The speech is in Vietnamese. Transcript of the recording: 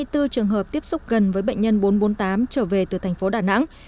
hai mươi bốn trường hợp tiếp xúc gần với bệnh nhân bốn trăm bốn mươi tám trở về từ thành phố đà nẵng